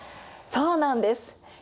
そうなんです。